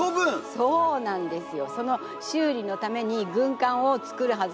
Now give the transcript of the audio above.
そうなんですよ！